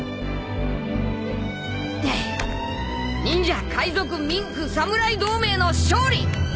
忍者海賊ミンク侍同盟の勝利！